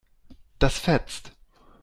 Das fetzt.